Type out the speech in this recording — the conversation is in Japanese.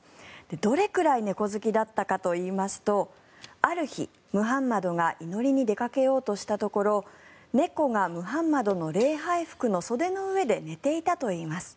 どれくらい猫好きだったかといいますとある日、ムハンマドが祈りに出かけようとしたところ猫がムハンマドの礼拝服の袖の上で寝ていたといいます。